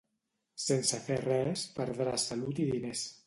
Sense fer res, perdràs salut i diners.